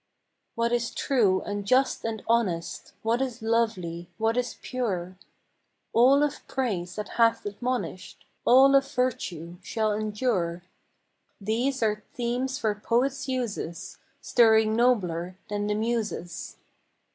What is true and just and honest, What is lovely, what is pure, — All of praise that hath admonish'd, All of virtue, shall endure, — These are themes for poets' uses, Stirring nobler than the Muses.